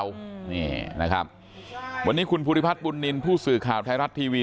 วันนี้คุณภูริพัฒณ์ปูลหนินผู้สื่อข่าวไทยรัฐทีวี